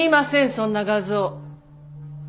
そんな画像。